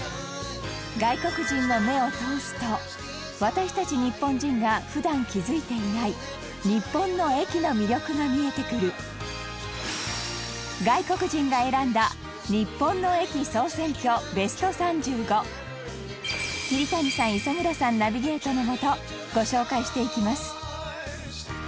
外国人の目を通すと私たち日本人が普段、気付いていない日本の駅の魅力が見えてくる桐谷さん、磯村さんナビゲートのもとご紹介していきます